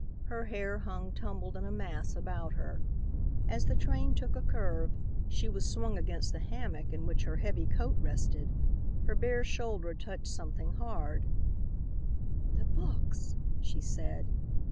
Her hair hung tumbled in a mass about her. As the train took a curve, she was swung against the hammock in which her heavy coat rested. Her bare shoulder touched something hard. "The books," she said.